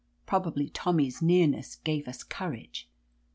Probably Tommy's nearness gave us courage.